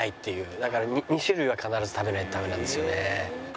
だから２種類は必ず食べないとダメなんですよね。